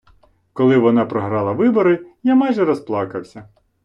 Коли вона програла вибори, я майже розплакався.